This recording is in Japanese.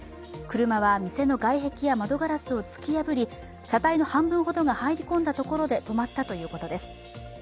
車は店の外壁や窓ガラスを突き破り車体の半分ほどが入り込んだところで止まったということです。